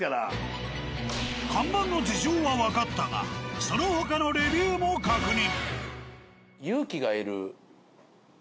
看板の事情はわかったがその他のレビューも確認。